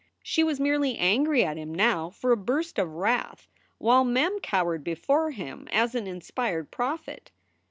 She was merely angry at him now for a burst of wrath, while Mem cowered before him as an inspired prophet.